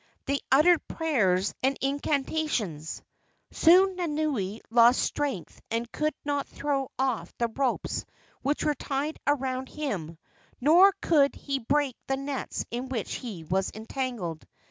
They uttered prayers and incan¬ tations. Soon Nanaue lost strength and could not throw off the ropes which were tied around him, nor could he break the nets in which he was entangled.